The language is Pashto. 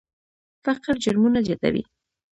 فقر جرمونه زیاتوي.